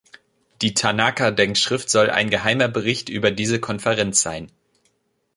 Die Tanaka-Denkschrift soll ein geheimer Bericht über diese Konferenz sein.